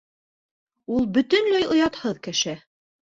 Ул бөтөнләй оятһыҙ кеше.